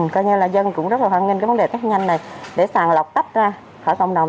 coi như là dân cũng rất là hoan nghênh cái vấn đề test nhanh này để sàn lọc tắt ra khỏi cộng đồng